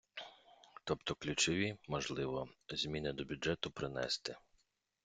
Тобто ключові, можливо, зміни до бюджету принести.